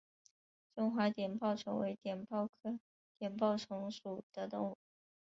中华碘泡虫为碘泡科碘泡虫属的动物。